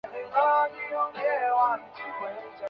共产党是塞尔维亚的一个共产主义政党。